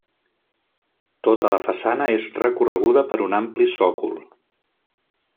Tota la façana és recorreguda per un ampli sòcol.